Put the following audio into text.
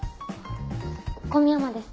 古宮山です。